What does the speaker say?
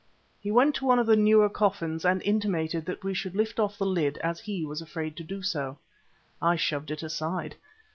He went to one of the newer coffins and intimated that we should lift off the lid as he was afraid to do so. I shoved it aside.